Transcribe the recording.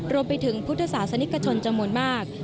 รวมไปถึงพุทธศาสนิทชนจมศตรีมาก